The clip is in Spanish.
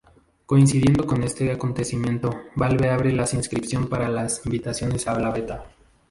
Coincidiendo con este acontecimiento, Valve abre las inscripción para las invitaciones a la beta;.